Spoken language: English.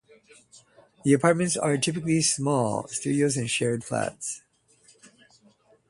The apartments are typically small studios and shared flats.